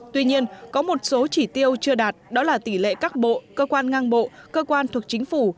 tuy nhiên có một số chỉ tiêu chưa đạt đó là tỷ lệ các bộ cơ quan ngang bộ cơ quan thuộc chính phủ